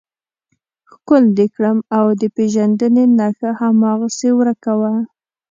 ښکل دې کړم او د پېژندنې نښه هماغسې ورکه وه.